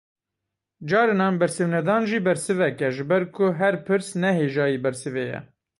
Carinan bersivnedan jî bersivek e ji ber ku her pirs ne hêjayî bersivê ye.